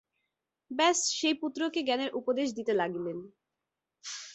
ব্যাস সেই পুত্রকে জ্ঞানের উপদেশ দিতে লাগিলেন।